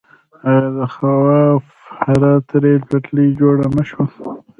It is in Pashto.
آیا د خواف هرات ریل پټلۍ جوړه نه شوه؟